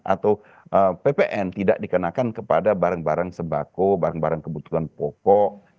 atau ppn tidak dikenakan kepada barang barang sembako barang barang kebutuhan pokok